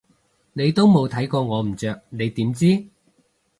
你都冇睇過我唔着你點知？